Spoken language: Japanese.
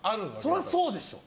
そりゃそうでしょ。